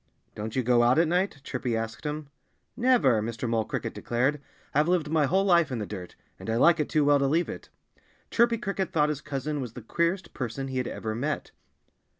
"Don't you go out at night?" Chirpy asked him. "Never!" Mr. Mole Cricket declared. "I've lived my whole life in the dirt. And I like it too well to leave it." Chirpy Cricket thought his cousin was the queerest person he had ever met.